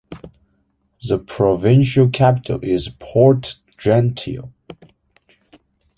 The provincial capital is Port-Gentil.